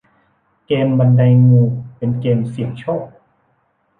เกมส์บันไดงูเป็นเกมส์เสี่ยงโชค